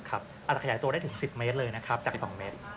อาจจะขยายตัวได้ถึง๑๐เมตรเลยจาก๒เมตร